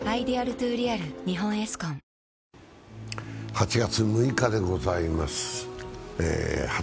８月６日でございます。